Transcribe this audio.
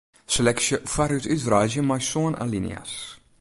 Seleksje foarút útwreidzje mei sân alinea's.